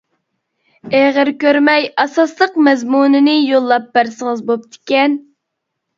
ئېغىر كۆرمەي ئاساسلىق مەزمۇنىنى يوللاپ بەرسىڭىز بوپتىكەن.